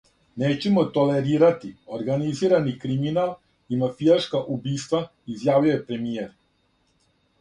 "Нећемо толерирати организирани криминал и мафијашка убиства", изјавио је премијер."